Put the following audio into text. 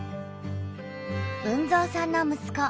豊造さんの息子